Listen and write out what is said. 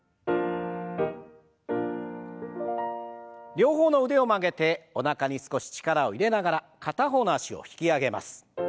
両方の腕を曲げておなかに少し力を入れながら片方の脚を引き上げます。